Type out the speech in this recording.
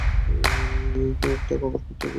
কেউ একটা কবর খুঁড়তেছে মনেহয়?